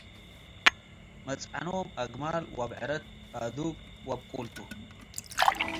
መጽዕኖም አግማል፡ አብዕረት፣ አዱግ ወአብቁል ቱ ።